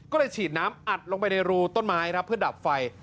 ก็เลยฉีดน้ำอัดลงไปในรูต้นไม้ครับเพื่อดับไฟ